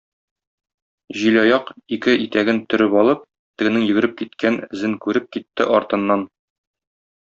Җилаяк, ике итәген төреп алып, тегенең йөгереп киткән эзен күреп, китте артыннан.